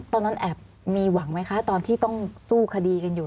ตอนนั้นแอบมีหวังไหมคะตอนที่ต้องสู้คดีกันอยู่